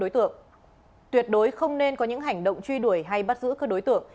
đối tượng tuyệt đối không nên có những hành động truy đuổi hay bắt giữ các đối tượng